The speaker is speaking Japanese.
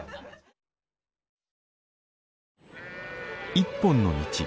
「一本の道」。